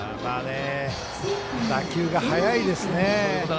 打球が速いですね。